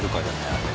あれ。